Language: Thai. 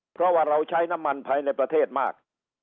เพราะว่าเราใช้น้ำมันภายในประเทศมาก